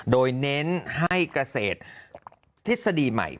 โดยเน้นให้เกษตรทฤษฎีใหม่